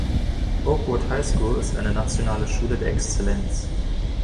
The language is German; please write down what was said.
Oakwood High School ist eine nationale Schule der Exzellenz.